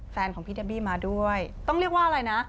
ของพี่เดบี้มาด้วยต้องเรียกว่าอะไรนะ